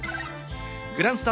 グランスタ